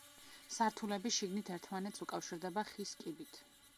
სართულები შიგნით ერთმანეთს უკავშირდება ხის კიბით.